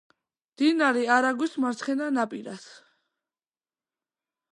მდინარე არაგვის მარცხენა ნაპირას.